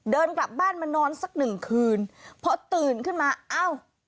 เดินกลับบ้านมานอนสักหนึ่งคืนพอตื่นขึ้นมาเอ้า